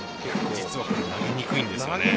実は投げにくいんです。